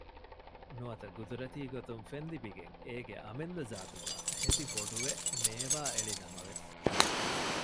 ނުވަތަ ގުދުރަތީގޮތުން ފެންލިބިގެން އޭގެ އަމިއްލަ ޒާތުގައި ހެދިބޮޑުވެ މޭވާއެޅިނަމަވެސް